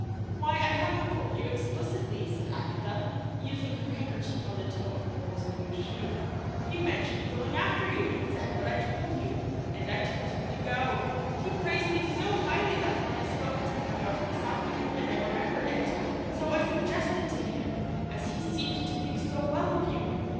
"Why, I have informed you explicitly," said Agatha, using her handkerchief on the toe of Poll's blue shoe. "He mentioned going after you, and said what I told you, and I told him to go. He praised you so highly that when I spoke to him about the Southey woman I remembered it, so I suggested to him, as he seemed to think so well of you.